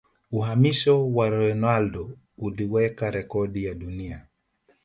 Uhamisho wa Ronaldo uliweka rekodi ya dunia